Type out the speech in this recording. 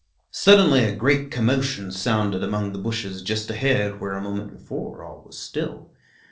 Suddenly a great commotion sounded among the bushes just ahead, where a moment before all was still.